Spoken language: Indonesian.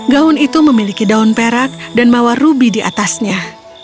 gaun itu memiliki daun perak dan mawarubi di atasnya